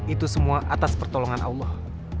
itu semua atas pertolongan allah